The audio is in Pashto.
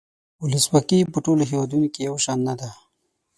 ولسواکي په ټولو هیوادونو کې یو شان نده.